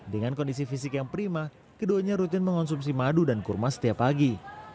dengan kondisi fisik yang prima keduanya rutin mengonsumsi madu dan kurma setiap pagi